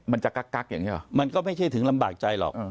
มันจะกักอย่างนี้หรอมันก็ไม่ใช่ถึงลำบากใจหรอก